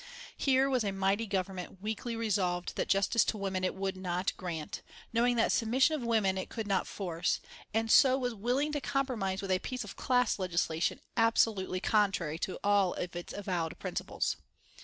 Here was a mighty Government weakly resolved that justice to women it would not grant, knowing that submission of women it could not force, and so was willing to compromise with a piece of class legislation absolutely contrary to all of its avowed principles.